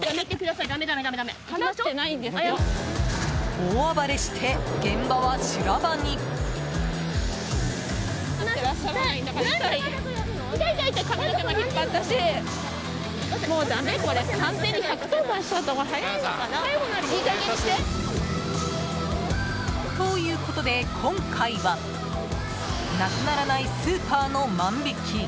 大暴れして現場は修羅場に！ということで今回はなくならないスーパーの万引き。